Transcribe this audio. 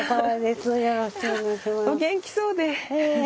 お元気そうで。